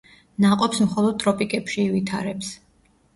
ნაყოფს მხოლოდ ტროპიკებში ივითარებს.